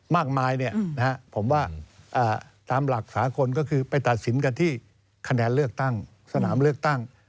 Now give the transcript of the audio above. มากมายผมว่าตามหลักสากลก็คือไปตัดสินกันที่คะแนนเลือกตั้งสนามเลือกตั้ง